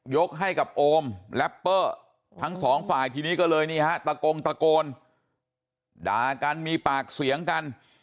กให้กับโอมแรปเปอร์ทั้งสองฝ่ายทีนี้ก็เลยนี่ฮะตะโกงตะโกนด่ากันมีปากเสียงกัน